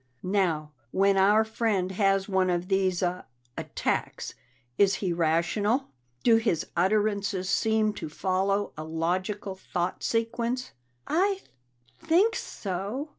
Now, when our friend has one of these uh attacks, is he rational? Do his utterances seem to follow a logical thought sequence?" "I think so."